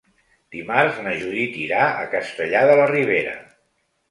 Dimarts na Judit irà a Castellar de la Ribera.